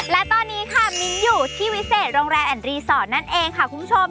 และตอนนี้ค่ะมิ้นอยู่ที่วิเศษโรงแรมแอนดรีสอร์ทนั่นเองค่ะคุณผู้ชม